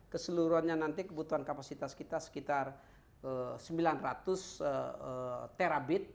keseluruhannya nanti kebutuhan kapasitas kita sekitar sembilan ratus terabit